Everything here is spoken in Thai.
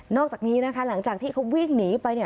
อกจากนี้นะคะหลังจากที่เขาวิ่งหนีไป